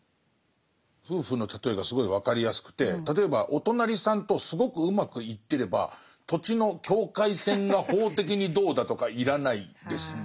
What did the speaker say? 夫婦の例えがすごい分かりやすくて例えばお隣さんとすごくうまくいってれば土地の境界線が法的にどうだとか要らないですもんね。